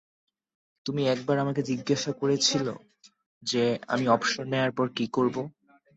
তুমি একবার আমাকে জিজ্ঞাসা করেছিল যে আমি অবসর নেওয়ার পর কী করব?